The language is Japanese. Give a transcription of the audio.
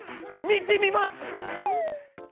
見てみます！